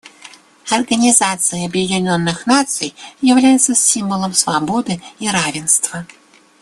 Организация Объединенных Наций является символом свободы и равенства.